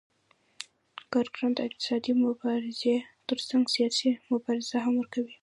کارګران د اقتصادي مبارزې ترڅنګ سیاسي مبارزه هم کوي